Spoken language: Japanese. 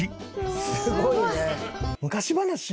すごいね。